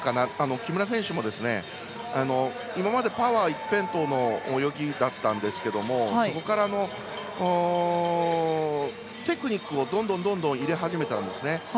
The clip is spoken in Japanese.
木村選手も、今までパワー一辺倒の泳ぎだったんですけれどもそこからテクニックをどんどん入れ始めたんですね。